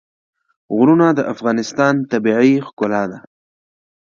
غرونه د افغانستان طبیعي ښکلا ده.